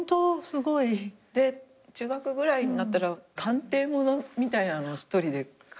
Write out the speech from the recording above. すごい。で中学ぐらいになったら探偵物みたいなのを１人で描いてて。